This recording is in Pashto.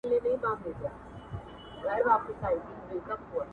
تر زر زیاتې پېښې راټولوي